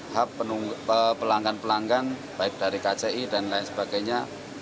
hub pelanggan pelanggan baik dari kci dan lain sebagainya